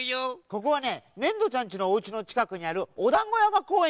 ここはねねんどちゃんちのおうちのちかくにあるおだんごやまこうえんっていうんだ。